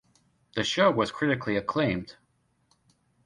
The show was critically acclaimed.